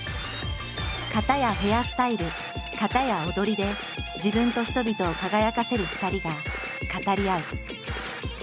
かたやヘアスタイルかたや踊りで自分と人々を輝かせる２人が語り合う。